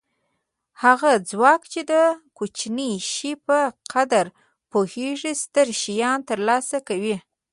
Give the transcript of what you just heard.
هغه څوک چې د کوچني شي په قدر پوهېږي ستر شیان ترلاسه کوي.